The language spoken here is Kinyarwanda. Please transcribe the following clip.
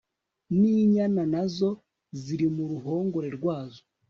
n'inyana nazo ziri mu ruhogore rwazo